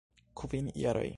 Kvin jaroj!